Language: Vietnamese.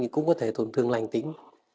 cũng có thể tổn thương lành tính